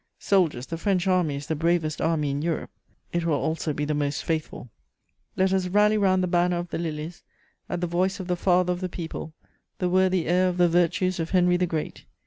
"Soldiers, the French Army is the bravest army in Europe; it will also be the most faithful. "Let us rally round the banner of the lilies, at the voice of the father of the people, the worthy heir of the virtues of Henry the Great.